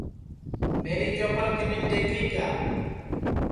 میری چوپل کینین دؔیکھی کیا